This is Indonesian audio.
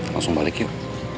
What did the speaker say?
langsung balik yuk